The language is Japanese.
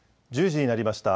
１０時になりました。